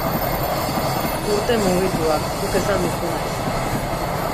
Urte mugituak, zuk esan duzunez.